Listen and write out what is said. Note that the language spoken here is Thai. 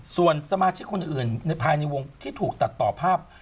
ส่วนสมาชิกคนอื่นในภายในวงที่ถูกตัดต่อภาพ